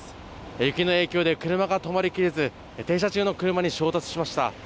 雪の影響で車が止まりきれず、停車中の車に衝突しました。